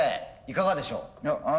いかがでしょう？